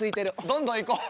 どんどんいこう。